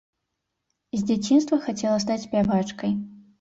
З дзяцінства хацела стаць спявачкай.